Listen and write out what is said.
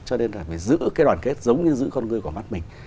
cho nên là phải giữ cái đoàn kết giống như giữ con người của mắt mình